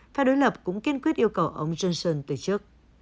phe đối lập cũng kiên quyết yêu cầu ông johnson từ chức